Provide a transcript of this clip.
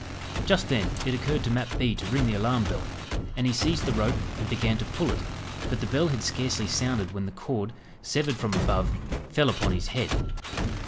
Just then, it occurred to Mat Bee to ring the alarm bell, and he seized the rope, and began to pull it; but the bell had scarcely sounded, when the cord, severed from above, fell upon his head.